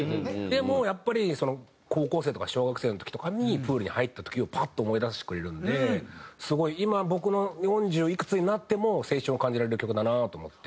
でもやっぱり高校生とか小学生の時とかにプールに入った時をパッと思い出させてくれるのですごい今僕の四十いくつになっても青春を感じられる曲だなと思って。